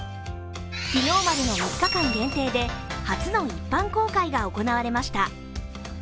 昨日までの３日間限定で初の一般公開が行われました。